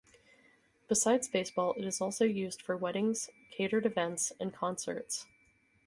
Besides baseball it is also used for weddings, catered events and concerts.